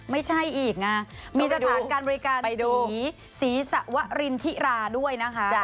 ไม่ใช่อีกนะมีสถานการบริการสีศรีสวรินทิราด้วยนะคะ